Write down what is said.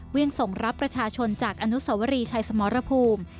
ส่งรับประชาชนจากอนุสวรีชัยสมรภูมิ